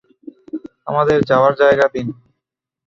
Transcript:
আমাদের যাওয়ার জায়গা দিন।